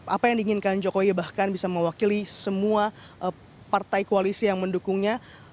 apa yang diinginkan jokowi bahkan bisa mewakili semua partai koalisi yang mendukungnya